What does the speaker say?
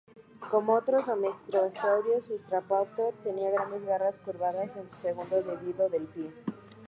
Como otros dromeosáuridos, "Utahraptor" tenía grandes garras curvadas en su segundo dedo del pie.